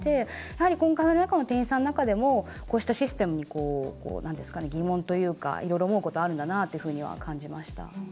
やはり、コンカフェの店員さんの中でもこうしたシステムに疑問というかいろいろ思うことあるんだなっていうふうには感じました。